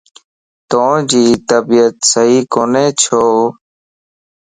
توجي طبيعت صحيح ڪوني ڇو؟